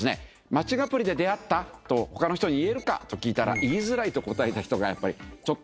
マッチングアプリで出会ったと他の人に言えるか？と聞いたら言いづらいと答えた人がやっぱり半数以上いると。